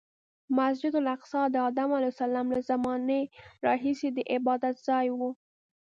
مسجد الاقصی د ادم علیه السلام له زمانې راهیسې د عبادتځای و.